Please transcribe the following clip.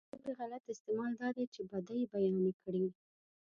ژبې غلط استعمال دا دی چې بدۍ بيانې کړي.